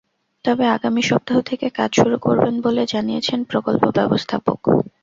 তবে আগামী সপ্তাহ থেকে কাজ শুরু করবেন বলে জানিয়েছেন প্রকল্প ব্যবস্থাপক।